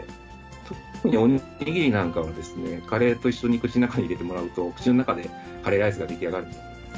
特にお握りなんかは、カレーと一緒に口の中に入れてもらうと、口の中でカレーライスが出来上がるので。